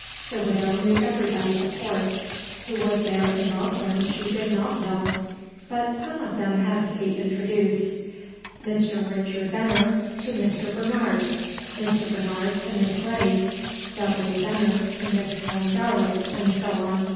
The Widow knew everybody, of course: who was there in Rockland she did not know? But some of them had to be introduced: Mr. Richard Veneer to Mr. Bernard, Mr. Bernard to Miss Letty, Dudley Veneer to Miss Helen Darley, and so on.